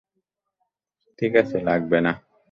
ঠিক আছে, লাগবে না।